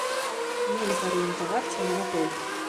Нельга арыентавацца на натоўп.